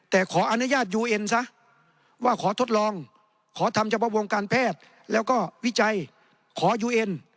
แต่ขออนุญาตยูเอ็นซะว่าขอทดลองขอทำเฉพาะวงการแพทย์แล้วก็วิจัยขอยูเอ็น